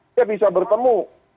dia bisa bertemu